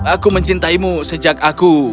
aku mencintaimu sejak aku